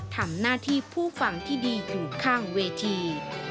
ทำหน้าที่ผู้ฟังที่ดีอยู่ข้างเวที